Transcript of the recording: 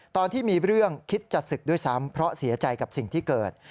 ตอนที่มีเรื่องคิดจะศึกด้วยซ้ำเพราะเสียใจกับสิ่งที่เกิด